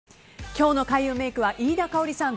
今日の開運メイクは飯田圭織さん